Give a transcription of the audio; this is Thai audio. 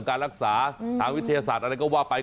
การรักษาทางวิทยาศาสตร์อะไรก็ว่าไป